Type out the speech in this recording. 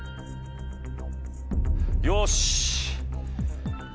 よし。